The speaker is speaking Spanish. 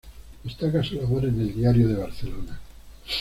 Destaca su labor en el "Diario de Barcelona".